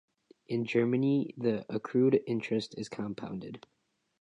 In Germany, the accrued interest is compounded.